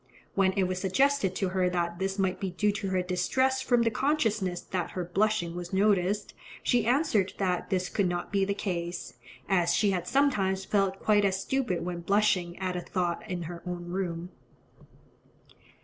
When it was suggested to her that this might be due to her distress from the consciousness that her blushing was noticed, she answered that this could not be the case, "as she had sometimes felt quite as stupid when blushing at a thought in her own room."